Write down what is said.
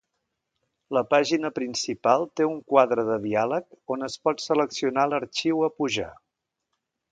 La pàgina principal té un quadre de diàleg on es pot seleccionar l'arxiu a pujar.